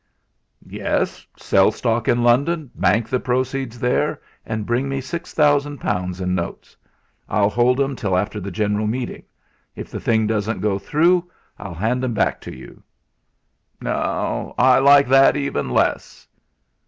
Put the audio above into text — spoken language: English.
"Yes. Sell stock in London, bank the proceeds there, and bring me six thousand pounds in notes. I'll hold 'em till after the general meeting. If the thing doesn't go through, I'll hand 'em back to you." "No; I like that even less."